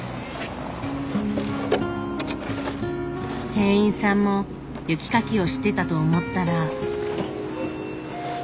店員さんも雪かきをしてたと思ったら。